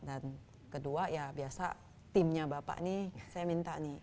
dan kedua ya biasa timnya bapak nih saya minta nih